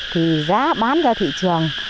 thì giá bán ra thị trường